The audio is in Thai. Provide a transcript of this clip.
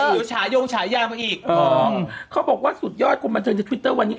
ฉายงฉายามาอีกอ๋อเขาบอกว่าสุดยอดคนบันเทิงในทวิตเตอร์วันนี้